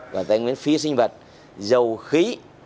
và tài nguyên phi sinh vật dầu khí